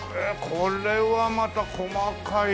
これはまた細かい！